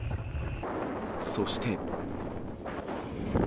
そして。